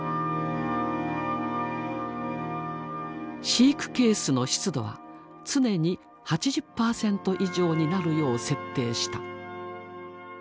飼育ケースの湿度は常に８０％以上になるよう設定した。